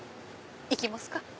行きますか。